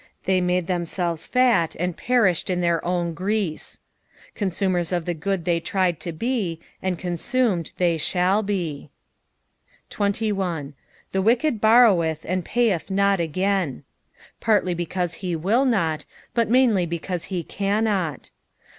They made themselves fat, and perished m their own grease. Consumers of the good they tried to be, and consumed they shall be, 81. "The vricked borrovieth, and payeth not A^in." Partly because be will not, but mainly because he cannot.